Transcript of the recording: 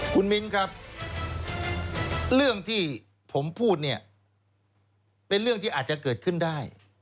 คุณมิ้นครับเรื่องที่ผมพูดเนี่ยเป็นเรื่องที่อาจจะเกิดขึ้นได้